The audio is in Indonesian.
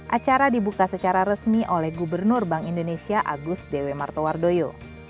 acara dibuka secara resmi oleh gubernur bank indonesia agus dewi martowardoyo